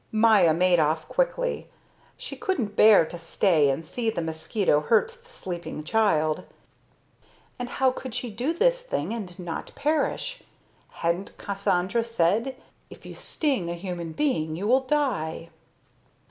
Maya made off quickly. She couldn't bear to stay and see the mosquito hurt the sleeping child. And how could she do this thing and not perish? Hadn't Cassandra said: "If you sting a human being, you will die?"